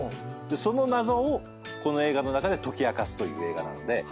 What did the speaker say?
その謎をこの映画の中で解き明かすという映画なので。